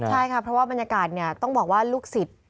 ใช่ค่ะเพราะว่าบรรยากาศต้องบอกว่าลูกศิษย์